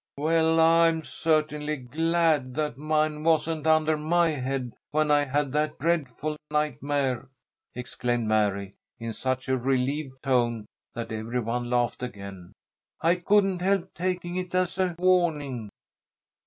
"Well, I'm certainly glad that mine wasn't under my head when I had that dreadful nightmare!" exclaimed Mary, in such a relieved tone that every one laughed again. "I couldn't help taking it as a warning."